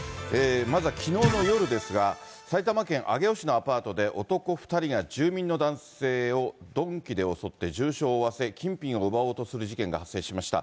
まずはきのうの夜ですが、埼玉県上尾市のアパートで、男２人が住民の男性を鈍器で襲って重傷を負わせ、金品を奪おうとする事件が発生しました。